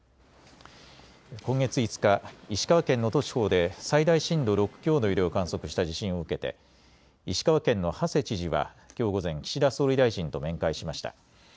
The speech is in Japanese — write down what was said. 今月５日、石川県能登地方で最大震度６強の揺れを観測した地震を受けて石川県の馳知事はきょう午前、岸田総理大臣と面会しました。